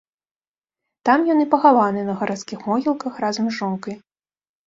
Там ён і пахаваны на гарадскіх могілках разам з жонкай.